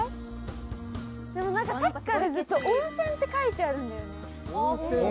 でも何かさっきからずっと温泉って書いてあるんだよね。